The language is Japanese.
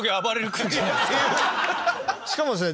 しかもですね